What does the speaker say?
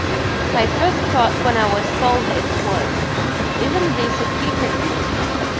My first thought when I was told this was 'Isn't this a kicker?